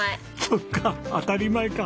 そっか当たり前か！